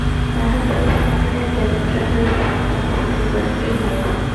তাঁহার পূর্বে তাঁহার এক জ্ঞাতি-ভ্রাতার বিবাহ তাঁহার শ্বশুরবাড়ীতেই হয়।